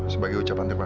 sebagai ucapan terpakat